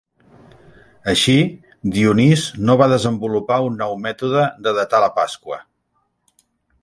Així, Dionís no va desenvolupar un nou mètode de datar la Pasqua.